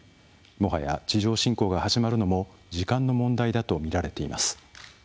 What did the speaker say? もはや地上侵攻が始まるのも時間の問題だとみられています。